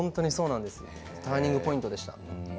ターニングポイントでした。